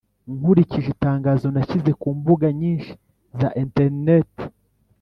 nkurikije itangazo nashyize ku mbuga nyinshi za interineti